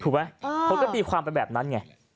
ถูกไหมเขาก็ตีความไปแบบนั้นไง